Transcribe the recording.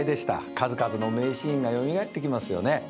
数々の名シーンがよみがえってきますよね。